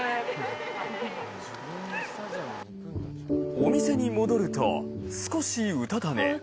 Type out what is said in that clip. お店に戻ると、少しうたた寝。